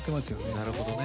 なるほどね。